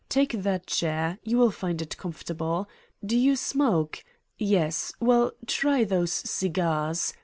Take that chair. You will find it comfortable. Do you smoke? Yes. Well, try those cigarettes.